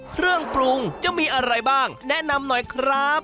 เครื่องปรุงจะมีอะไรบ้างแนะนำหน่อยครับ